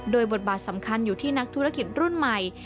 โดยบทบาทสำคัญอยู่ที่นักธุรกิจรุ่นใหม่